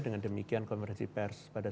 dengan demikian konferensi pers pada